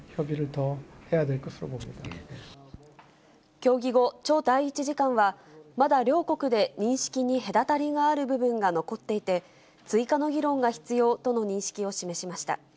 協議後、チョ第１次官はまだ両国で認識に隔たりがある部分が残っていて、追加の議論が必要との認識を示しました。